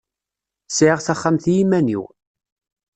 Sɛiɣ taxxamt i iman-iw.